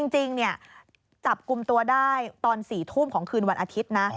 จริงจับกลุ่มตัวได้ตอน๔ทุ่มของคืนวันอาทิตย์นะ